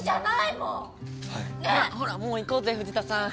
ほらもう行こうぜ藤田さん。